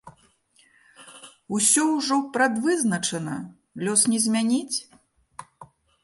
Усё ўжо прадвызначана, лёс не змяніць?